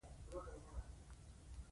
د هغه غږ جدي شو